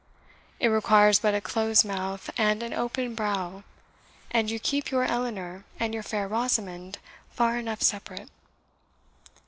It requires but a close mouth and an open brow, and you keep your Eleanor and your fair Rosamond far enough separate.